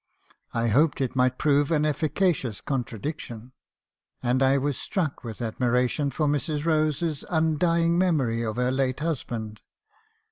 I hoped it might prove an efficacious contradiction. And I was struck with admiration for Mrs. Rose's undying memory of her late husband.